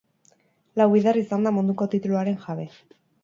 Lau bider izan da munduko tituluaren jabe.